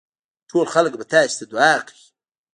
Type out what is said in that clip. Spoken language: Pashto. ټول خلک به تاسي ته دعا کوي.